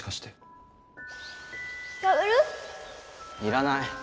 要らない。